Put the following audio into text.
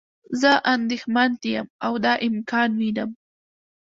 زه اندیښمند یم او دا امکان وینم.